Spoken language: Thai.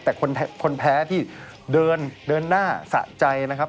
แต่คนแพ้ที่เดินเดินหน้าสะใจนะครับ